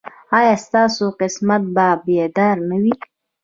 ایا ستاسو قسمت به بیدار نه وي؟